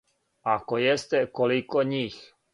Ако јесте, колико њих?